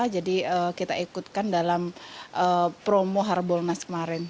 jadi kita ikutkan dalam promo harbolnas kemarin